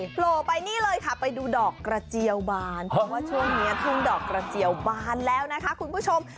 โผล่ไปนี่เลยค่ะไปดูดอกกระเจียวบานเพราะว่าช่วงนี้ทุ่งดอกกระเจียวบานแล้วนะคะคุณผู้ชม